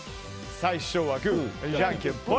最初はグー、じゃんけんポイ！